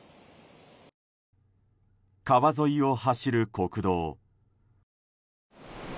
川沿いを走る国道。